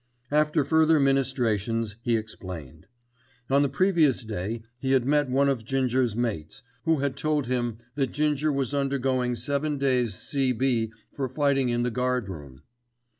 After further ministrations he explained. On the previous day he had met one of Ginger's mates, who had told him that Ginger was undergoing seven days C.B. for fighting in the guardroom.